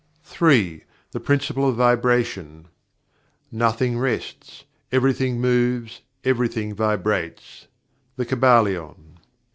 3. The Principle of Vibration "Nothing rests; everything moves; everything vibrates." The Kybalion.